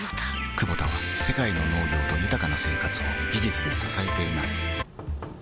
クボタは世界の農業と豊かな生活を技術で支えています起きて。